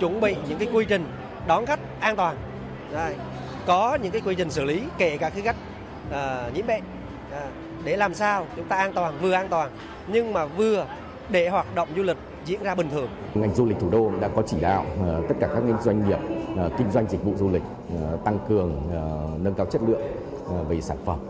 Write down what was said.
chỉ đạo tất cả các doanh nghiệp kinh doanh dịch vụ du lịch tăng cường nâng cao chất lượng về sản phẩm